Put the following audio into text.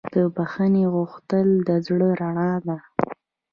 د بښنې غوښتل د زړه رڼا ده.